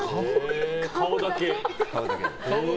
顔だけ？